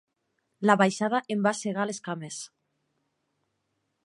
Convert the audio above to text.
La baixada em va segar les cames.